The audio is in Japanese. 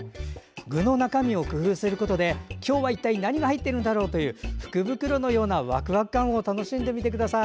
具の中身を工夫することで今日は一体何が入ってるんだろうという福袋のようなワクワク感を楽しんでみてください。